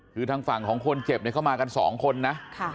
คือทางฝั่งของคนเจ็บเข้ามากันสองคนนะ